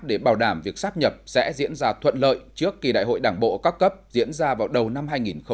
để bảo đảm việc sắp nhập sẽ diễn ra thuận lợi trước kỳ đại hội đảng bộ các cấp diễn ra vào đầu năm hai nghìn hai mươi